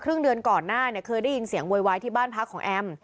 ครึ่งเดือนก่อนหน้าเนี่ยเคยได้ยินเสียงโวยวายที่บ้านพักของแอม